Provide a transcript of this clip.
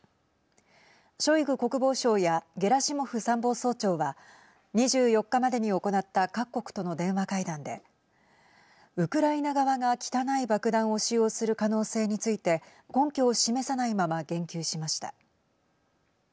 ショイグ国防相やゲラシモフ参謀総長は２４日までに行った各国との電話会談でウクライナ側が汚い爆弾を使用する可能性について根拠を示さないまま言及しました。